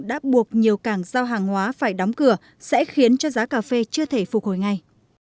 đã buộc nhiều cảng giao hàng hóa phải đóng cửa sẽ khiến cho giá cà phê chưa thể phục hồi ngay